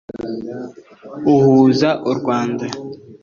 uhuza u Rwanda